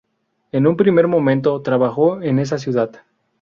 En un primer momento trabajó en esa ciudad.